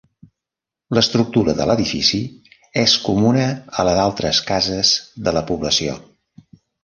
L'estructura de l'edifici és comuna a la d'altres cases de la població.